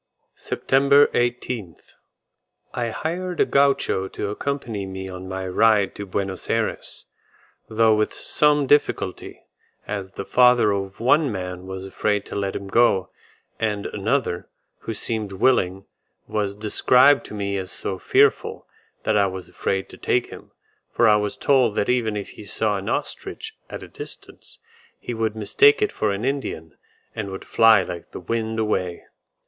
SEPTEMBER 18th. I hired a Gaucho to accompany me on my ride to Buenos Ayres, though with some difficulty, as the father of one man was afraid to let him go, and another, who seemed willing, was described to me as so fearful, that I was afraid to take him, for I was told that even if he saw an ostrich at a distance, he would mistake it for an Indian, and would fly like the wind away.